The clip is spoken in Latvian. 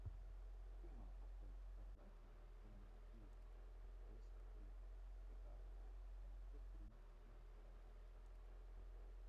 Pirmā pasaules kara laikā uzņēmums bija galvenais telesakaru iekārtu piegādātājs Vācijas bruņotajiem spēkiem.